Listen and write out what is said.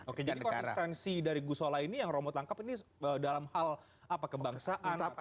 oke jadi konsistensi dari gusola ini yang romo tangkap ini dalam hal apa kebangsaan